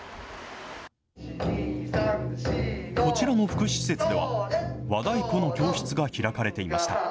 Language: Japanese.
こちらの福祉施設では、和太鼓の教室が開かれていました。